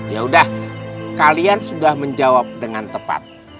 ya udah kalian sudah menjawab dengan tepat